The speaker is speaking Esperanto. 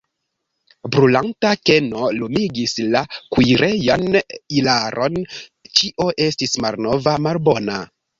Brulanta keno lumigis la kuirejan ilaron, ĉio estis malnova, malbona.